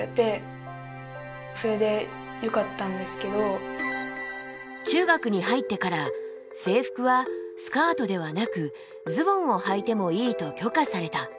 ハナみたいな中学に入ってから制服はスカートではなくズボンをはいてもいいと許可された。